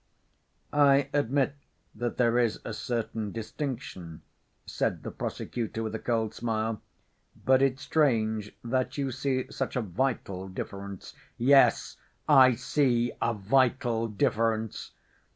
"I admit that there is a certain distinction," said the prosecutor, with a cold smile. "But it's strange that you see such a vital difference." "Yes, I see a vital difference!